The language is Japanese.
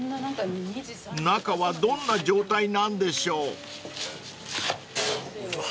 ［中はどんな状態なんでしょう］